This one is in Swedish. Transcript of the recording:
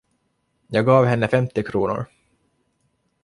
Jag gav henne femtio kronor.